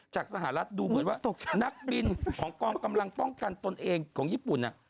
จากสหรัฐดูเหมือนว่านักบินของกองกำลังป้องกันตนเองของญี่ปุ่น